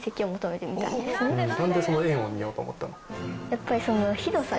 やっぱり。